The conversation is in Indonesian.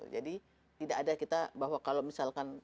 jadi tidak ada kita bahwa kalau misalkan